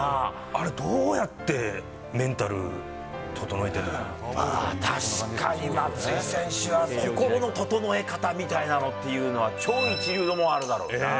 あれどうやってメンタル、ああ、確かに松井選手は、心の整え方みたいなのっていうのは、超一流のものがあるだろうな。